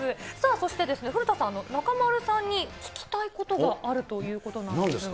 そして古田さん、中丸さんに聞きたいことがあるということなんですが。